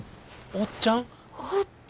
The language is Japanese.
おっちゃん！